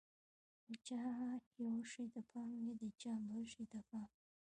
د چا یوه شي ته پام وي، د چا بل شي ته پام وي.